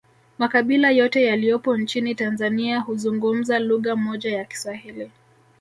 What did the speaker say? Makabila yote yaliyopo nchini Tanzania huzungumza lugha moja ya kiswahili